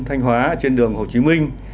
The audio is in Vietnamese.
anh hóa trên đường hồ chí minh